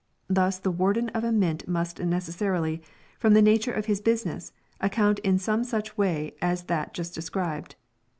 Thus the Warden of a Mint must necessarily, from the nature of his business, account in some such way as that just described.